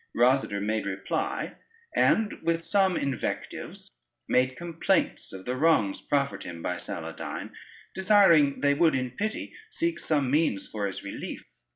Rosader made reply, and with some invectives made complaints of the wrongs proffered him by Saladyne, desiring they would in pity seek some means for his relief.